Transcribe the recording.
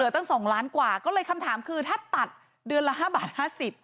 ตั้ง๒ล้านกว่าก็เลยคำถามคือถ้าตัดเดือนละ๕บาท๕๐